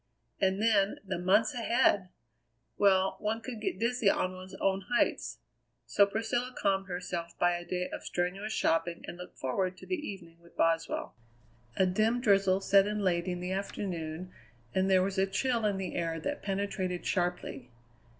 And then the months ahead! Well one could get dizzy on one's own heights. So Priscilla calmed herself by a day of strenuous shopping and looked forward to the evening with Boswell. A dim drizzle set in late in the afternoon, and there was a chill in the air that penetrated sharply.